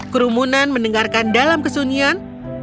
kurumunan mendengarkan dalam kesunyian